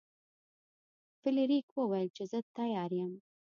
فلیریک وویل چې زه تیار یم.